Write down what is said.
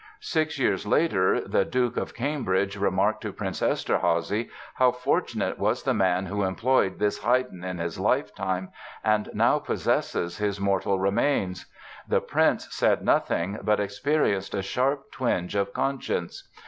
Six years later the Duke of Cambridge remarked to Prince Eszterházy "How fortunate was the man who employed this Haydn in his lifetime and now possesses his mortal remains!" The Prince said nothing, but experienced a sharp twinge of conscience.